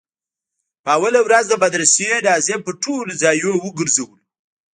په اوله ورځ د مدرسې ناظم پر ټولو ځايونو وگرځولو.